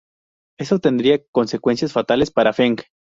Esto tendría consecuencias fatales para Feng.